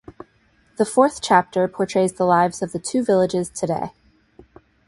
The fourth chapter portrays the lives of the two villages today.